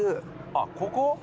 あっここ？